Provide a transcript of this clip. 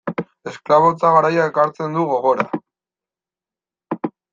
Esklabotza garaia ekartzen du gogora.